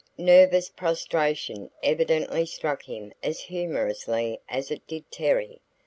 Nervous prostration evidently struck him as humorously as it did Terry.